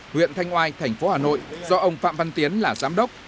huyện thanh oai thành phố hà nội do ông phạm văn tiến là giám đốc